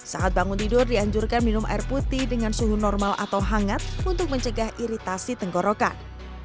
saat bangun tidur dianjurkan minum air putih dengan suhu normal atau hangat untuk mencegah iritasi tenggorokan